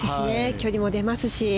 距離も出ますし。